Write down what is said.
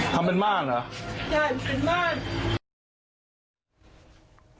ทำเป็นมารหรอ